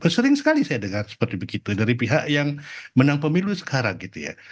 sering sekali saya dengar seperti begitu dari pihak yang menang pemilu sekarang gitu ya